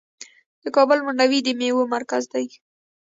د کابل منډوي د میوو مرکز دی.